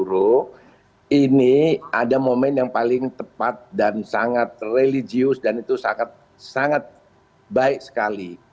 ini ada momen yang paling tepat dan sangat religius dan itu sangat baik sekali